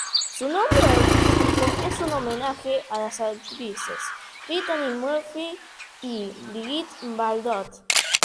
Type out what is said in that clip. Su nombre artístico es un homenaje a las actrices Brittany Murphy y Brigitte Bardot.